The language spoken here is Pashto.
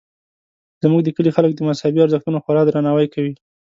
زموږ د کلي خلک د مذهبي ارزښتونو خورا درناوی کوي